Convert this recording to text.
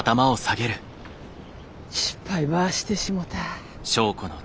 失敗ばしてしもた。